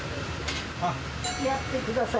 つきあってください。